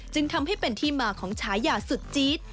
จึงทำให้เป็นที่มาของฉายาสุดจี๊ด